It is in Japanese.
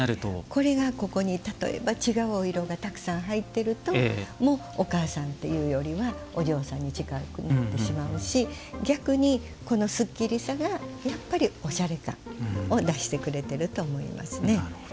これが例えば違うお色がたくさん入っているともうお母さんっていうよりはお嬢さんに近くなってしまうし逆に、このすっきりさがやっぱりおしゃれ感を出してくれていると思いますね。